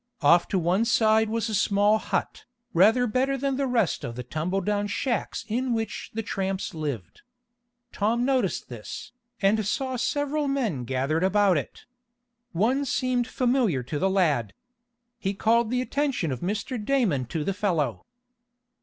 Off to one side was a small hut, rather better than the rest of the tumbledown shacks in which the tramps lived. Tom noticed this, and saw several men gathered about it. One seemed familiar to the lad. He called the attention of Mr. Damon to the fellow.